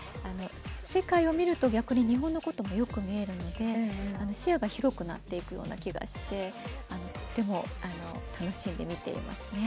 世界を見ると、逆に日本のこともよく見えるので視野が広くなっていく気がしてとっても楽しんで見ていますね。